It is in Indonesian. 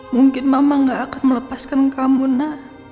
mungkin mama gak akan melepaskan kamu nak